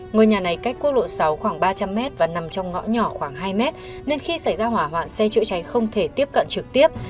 ngôi nhà này cách quốc lộ sáu khoảng ba trăm linh m và nằm trong ngõ nhỏ khoảng hai mét nên khi xảy ra hỏa hoạn xe chữa cháy không thể tiếp cận trực tiếp